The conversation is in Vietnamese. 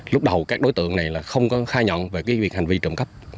lúc đầu các đối tượng này là không có khai nhận về cái việc hành vi trộm cắp